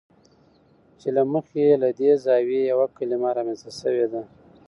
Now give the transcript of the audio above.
چې له مخې یې له دې زاویې یوه کلمه رامنځته شوې ده.